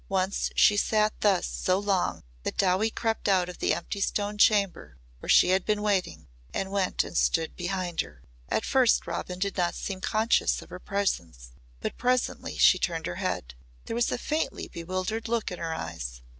Once she sat thus so long that Dowie crept out of the empty stone chamber where she had been waiting and went and stood behind her. At first Robin did not seem conscious of her presence but presently she turned her head. There was a faintly bewildered look in her eyes.